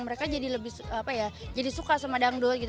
mereka jadi suka sama dangdut